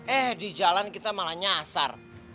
eh di jalan kita malah nyasar